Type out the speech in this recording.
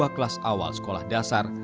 dua kelas awal sekolah dasar